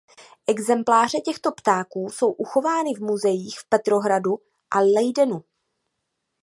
Exempláře těchto ptáků jsou uchovány v muzeích v Petrohradu a Leidenu.